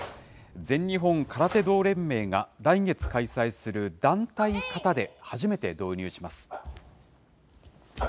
全日本空手道連盟が、来月開催する団体形で初めて導入します。